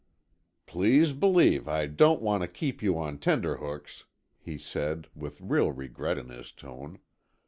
"Please believe I don't want to keep you on tenterhooks," he said, with real regret in his tone.